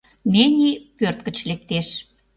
Нени пӧрт гыч лектеш.